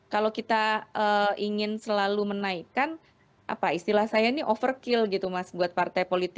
kalau kita ingin selalu menaikkan apa istilah saya ini overkill gitu mas buat partai politik